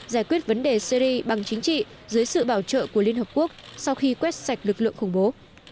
giải quyết vấn đề syri bằng chính trị dưới sự bảo trợ của liên hợp quốc sau khi quét sạch lực lượng khủng bố